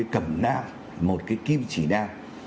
một cái cầm nam một cái kim chỉ nam